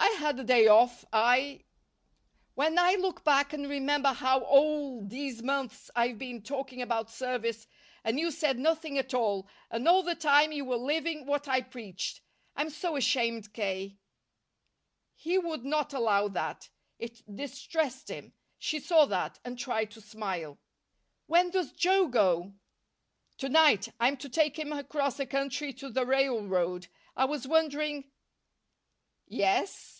"I had a day off. I " "When I look back and remember how all these months I've been talking about service, and you said nothing at all, and all the time you were living what I preached I'm so ashamed, K." He would not allow that. It distressed him. She saw that, and tried to smile. "When does Joe go?" "To night. I'm to take him across the country to the railroad. I was wondering " "Yes?"